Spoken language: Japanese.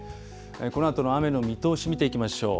このあとの雨の見通し見ていきましょう。